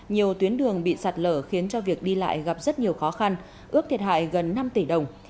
nhiều tuyến đường bị sạt lở khiến cho việc đi lại gặp rất nhiều khó khăn ước thiệt hại gần năm tỷ đồng